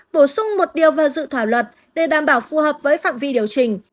bổ sung một điều vào dự thảo luật để đảm bảo phù hợp với phạm vi điều chỉnh